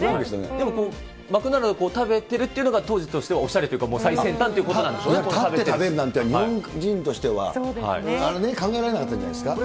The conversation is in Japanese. でもマクドナルドを食べてるっていうのが、当時としてはおしゃれというか、最先端っていうこ立って食べるなんて、日本人としては考えられなかったんじゃないんですか。